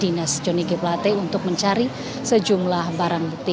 dinas johnny g plate untuk mencari sejumlah barang bukti